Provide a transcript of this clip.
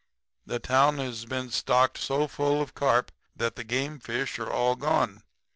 The town has been stocked so full of carp that the game fish are all gone.